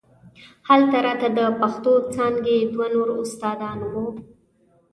هلته راته د پښتو څانګې دوه نور استادان وو.